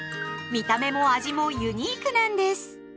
見た目も味もユニークなんです。